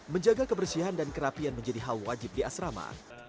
menjaga kebersihan dan kerapian menjadi hal wajib di asrama